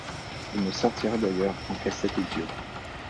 Il ne sortira d'ailleurs qu'en cassette audio.